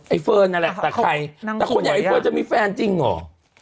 เฟิร์นนั่นแหละแต่ใครแต่คนอย่างไอเฟิร์นจะมีแฟนจริงเหรอ